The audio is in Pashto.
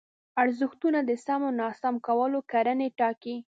ارزښتونه د سم او ناسم کولو کړنې ټاکي.